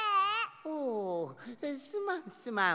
おすまんすまん。